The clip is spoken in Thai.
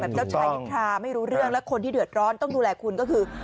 เจ้าชายนิทราไม่รู้เรื่องและคนที่เดือดร้อนต้องดูแลคุณก็คือ